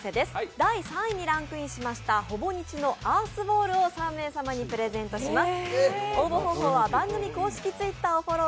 第３位にランクインしましたほぼ日のアースボールを３名様にプレゼントします。